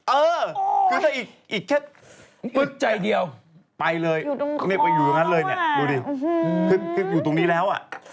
เออคือถ้าอีกแค่ปึ๊ดใจเดียวไปเลยไปอยู่ตรงนั้นเลยเนี่ยดูดิขึ้นอยู่ตรงนี้แล้วอ่ะ